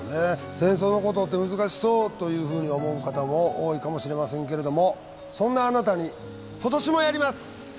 戦争のことって難しそうというふうに思う方も多いかもしれませんけれどもそんなあなたに今年もやります！